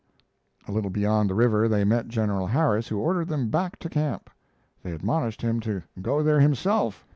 A little beyond the river they met General Harris, who ordered them back to camp. They admonished him to "go there himself."